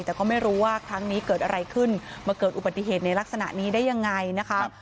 แต่ก็ไม่รู้ว่าครั้งนี้เกิดอะไรขึ้นมาเกิดอุบัติเหตุในลักษณะนี้ได้ยังไงนะคะ